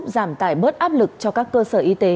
giảm tải bớt áp lực cho các cơ sở y tế